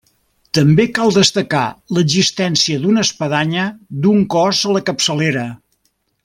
També cal destacar l'existència d'una espadanya d'un cos a la capçalera.